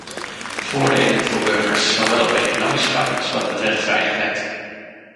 Voordelen voor burgers, zowel op economisch vlak als wat betreft veiligheid.